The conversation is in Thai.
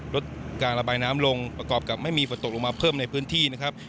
ลดการระบายน้ำลงประกอบกับไม่มีฝนตกลงมาเพิ่มในพื้นที่นะครับ